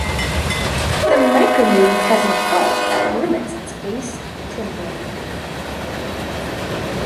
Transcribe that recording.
The Micromoog has a "fault" that limits its bass timbre.